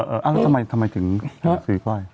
เออทำไมถึงได้ซื้อก้อย